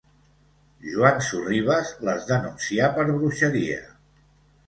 Joan Sorribes les denuncià per bruixeria.